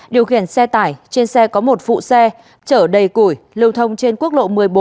điều khiển xe tải trên xe có một phụ xe chở đầy củi lưu thông trên quốc lộ một mươi bốn